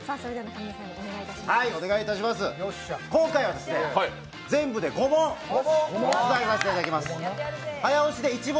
今回は全部で５問出題させていただきます。